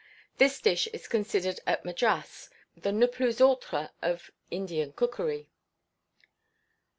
This dish is considered at Madras the ne plus ultra of Indian cookery.